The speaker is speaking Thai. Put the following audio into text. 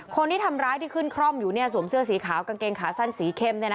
คนที่ทำร้ายที่ขึ้นคร่อมอยู่สวมเสื้อสีขาวกางเกงขาสั้นสีเข้ม